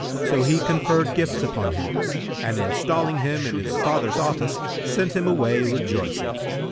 So he conferred gifts upon him and installing him in his father's office, sent him away rejoicing.